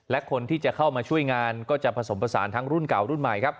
และคนที่จะเข้ามาช่วยงานก็จะผสมผสานทั้งรุ่นเก่ารุ่นใหม่ครับ